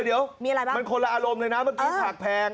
เดี๋ยวมีอะไรเปล่ามันคนละอารมณ์เลยนะมันคือผักแพง